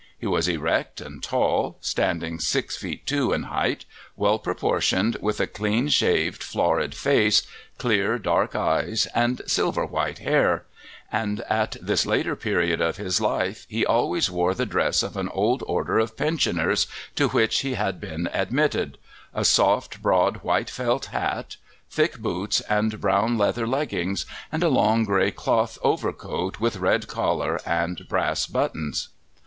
He was erect and tall, standing six feet two in height, well proportioned, with a clean shaved, florid face, clear, dark eyes, and silver white hair; and at this later period of his life he always wore the dress of an old order of pensioners to which he had been admitted a soft, broad, white felt hat, thick boots and brown leather leggings, and a long, grey cloth overcoat with red collar and brass buttons.